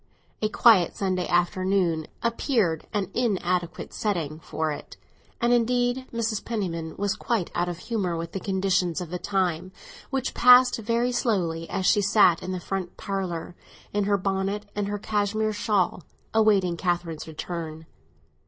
A quiet Sunday afternoon appeared an inadequate setting for it; and, indeed, Mrs. Penniman was quite out of humour with the conditions of the time, which passed very slowly as she sat in the front parlour in her bonnet and her cashmere shawl, awaiting Catherine's return.